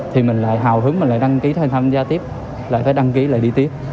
thì mình lại hào hứng mình lại đăng ký tham gia tiếp lại phải đăng ký lại đi tiếp